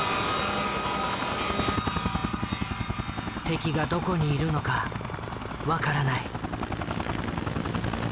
敵がどこにいるのか分からない。